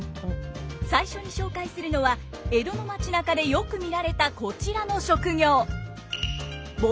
最初に紹介するのは江戸の町なかでよく見られたこちらの職業！